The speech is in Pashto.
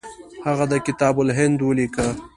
هغه د کتاب الهند ولیکه.